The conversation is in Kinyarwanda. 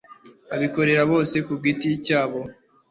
abikorera bose ku giti cyabo